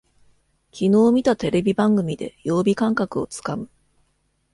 きのう見たテレビ番組で曜日感覚をつかむ